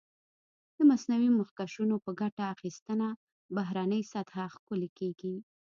د مصنوعي مخکشونو په ګټه اخیستنه بهرنۍ سطحه ښکلې کېږي.